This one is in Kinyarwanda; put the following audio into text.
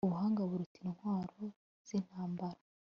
ubuhanga buruta intwaro z'intambara